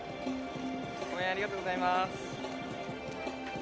応援ありがとうございます。